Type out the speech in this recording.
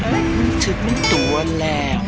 คือมันเหมือนตัวแล้ว